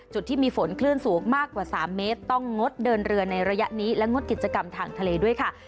จุดที่มีฝนคลื่นสูงมากกว่า๓เมตรต้องงดเดินเรือในระยะนี้และงดกิจกรรมทางทะเลด้วยค่ะ